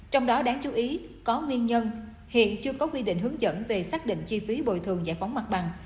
trong đó đáng chú ý có nguyên nhân hiện chưa có quy định hướng dẫn về xác định chi phí bồi thường giải phóng mặt bằng